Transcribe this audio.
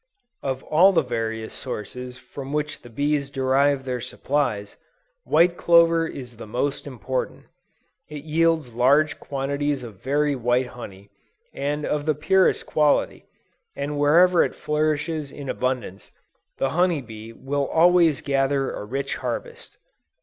Of all the various sources from which the bees derive their supplies, white clover is the most important. It yields large quantities of very white honey, and of the purest quality, and wherever it flourishes in abundance, the honey bee will always gather a rich harvest.